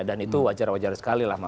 dan itu wajar wajar sekali lah